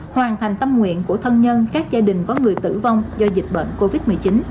hoàn thành tâm nguyện của thân nhân các gia đình có người tử vong do dịch bệnh covid một mươi chín